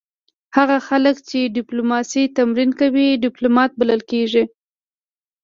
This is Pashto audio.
هغه خلک چې ډیپلوماسي تمرین کوي ډیپلومات بلل کیږي